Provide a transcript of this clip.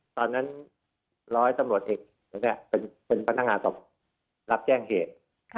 ตอนนั้นร้อยสำรวจเห็กเป็นพนักงานรับแจ้งเหตุ